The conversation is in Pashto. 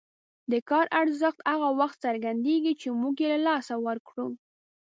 د کار ارزښت هغه وخت څرګندېږي چې موږ یې له لاسه ورکړو.